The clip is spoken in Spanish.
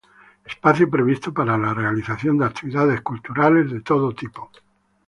Espacio previsto para la realización de actividades culturales de todo tipo.